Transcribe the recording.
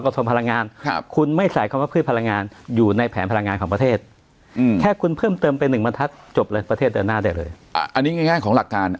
ทำได้เลยอันนี้ง่ายของหลักการ